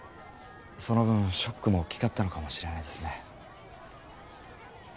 その分ショックもおっきかったのかもしれないですね。